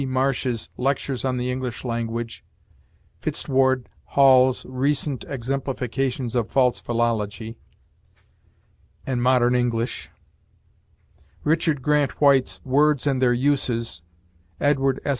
Marsh's "Lectures on the English Language," Fitzedward Hall's "Recent Exemplifications of False Philology," and "Modern English," Richard Grant White's "Words and Their Uses," Edward S.